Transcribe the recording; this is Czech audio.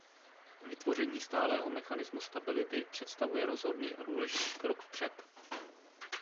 Vytvoření stálého mechanismu stability představuje rozhodný a důležitý krok vpřed.